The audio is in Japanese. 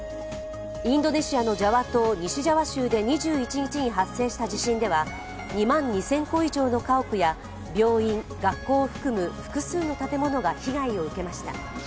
インドネシアのジャワ島西ジャワ州で２１日に発生した地震では２万２０００戸以上の家屋や病院、学校を含む複数の建物が被害を受けました。